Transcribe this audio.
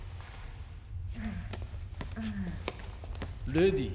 レディー